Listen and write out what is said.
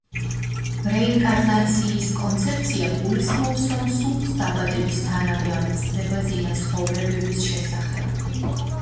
რეინკარნაციის კონცეფცია გულისხმობს, რომ სულს დაბადებისთანავე ავიწყდება წინა ცხოვრებების შესახებ.